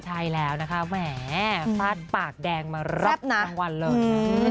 ใช่แล้วนะคะแหมฟาดปากแดงมารับรางวัลเลย